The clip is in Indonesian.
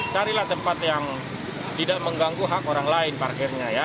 carilah tempat yang tidak mengganggu hak orang lain parkirnya ya